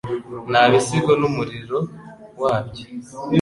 Nta bisigo n'umuriro wabyo